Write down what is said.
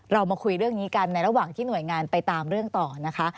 เรามาคุยเรื่องนี้กันในระหว่างที่หน่วยงานไปตามเรื่องต่อนะคะ